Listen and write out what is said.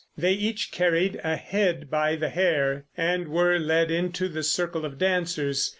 They each carried a head by the hair and were led into the circle of dancers.